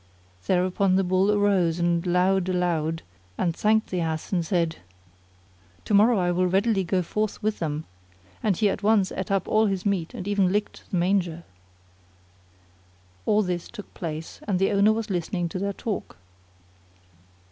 Thereupon the Bull arose and lowed aloud and thanked the Ass, and said, "To morrow I will readily go forth with them;" and he at once ate up all his meat and even licked the manger. (All this took place and the owner was listening to their talk.)